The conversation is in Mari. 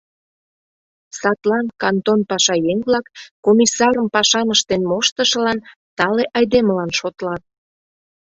Садлан кантон пашаеҥ-влак Комиссарым пашам ыштен моштышылан, тале айдемылан шотлат.